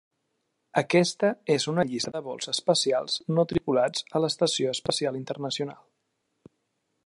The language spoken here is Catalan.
Aquesta és una llista dels vols espacials no tripulats a l'Estació Espacial Internacional.